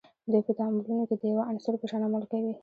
دوی په تعاملونو کې د یوه عنصر په شان عمل کوي.